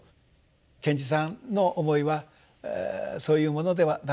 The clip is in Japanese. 賢治さんの思いはそういうものではなかっただろうかと。